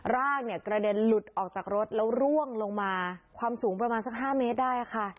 ร่างเนี่ยกระเด็นหลุดออกจากรถแล้วร่วงลงมาความสูงประมาณสัก๕เมตรได้ค่ะ